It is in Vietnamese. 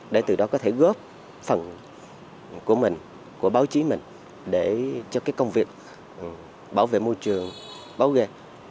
để từ đó có thể góp phần của mình của báo chí mình để cho công việc bảo vệ môi trường báo ghe